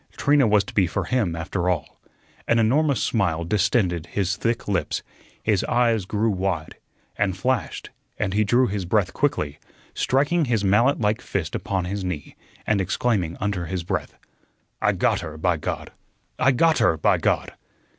Trina was to be for him, after all. An enormous smile distended his thick lips; his eyes grew wide, and flashed; and he drew his breath quickly, striking his mallet like fist upon his knee, and exclaiming under his breath: "I got her, by God! I got her, by God!"